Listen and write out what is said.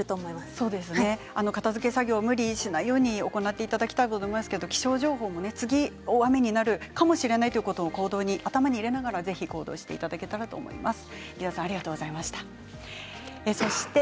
片づけ作業、無理しないように行っていただきたいと思いますけど気象情報も次大雨になるかもしれないということを頭に入れながら行動していただきたいと思います。